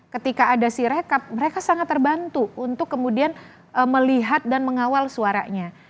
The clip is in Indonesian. ketika ada sirekap mereka sangat terbantu untuk kemudian melihat dan mengawal suaranya